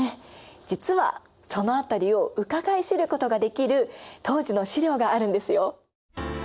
実はその辺りをうかがい知ることができる当時の資料があるんですよ。